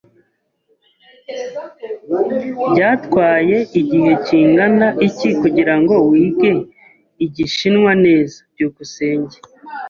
Byatwaye igihe kingana iki kugirango wige Igishinwa neza? byukusenge